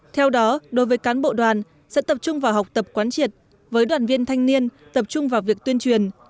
theo đó đối với cán bộ đoàn sẽ tập trung vào học tập quán triệt với đoàn viên thanh niên tập trung vào việc tuyên truyền